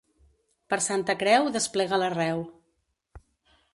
Per Santa Creu desplega l'arreu.